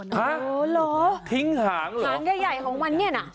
หาทิ้งหางเหรอหางใหญ่ของมันนี่นะ